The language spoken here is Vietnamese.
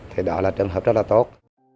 thì đó là trường hợp rất là tốt